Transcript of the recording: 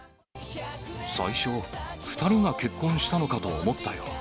最初、２人が結婚したのかと思ったよ。